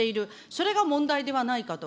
それが問題ではないかと。